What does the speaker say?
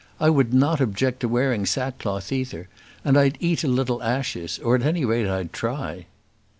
I would not object to wearing sackcloth, either; and I'd eat a little ashes or, at any rate, I'd try."